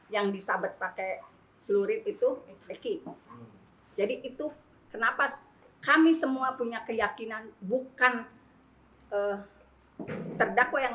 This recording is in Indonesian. yang disabet pakai celurit itu ricky jadi itu kenapa kami semua punya keyakinan bukan terdakwa yang